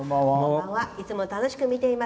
いつも楽しく見ています。